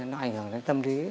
nó ảnh hưởng đến tâm lý